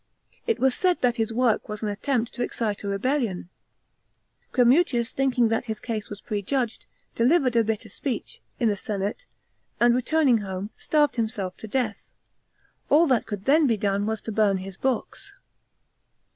It waj said fffofi hi; work was an attempt to excite a rebellion. Crenr.tr/S; tft&&;icr; that his case was prejudged, delivered a bitter srwecl* in tr^e senate, and, returning home, starved himseli to djaih. Alt that could then be done was to burn his books.